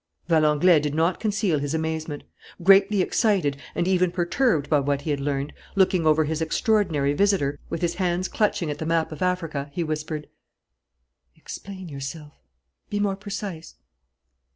Valenglay did not conceal his amazement. Greatly excited and even perturbed by what he had learned, looking over his extraordinary visitor, with his hands clutching at the map of Africa, he whispered: "Explain yourself; be more precise."